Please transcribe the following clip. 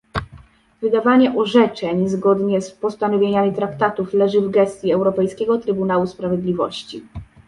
Wydawanie orzeczeń zgodnie z postanowieniami traktatów leży w gestii Europejskiego Trybunału Sprawiedliwości